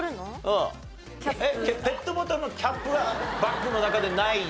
ペットボトルのキャップがバッグの中でない。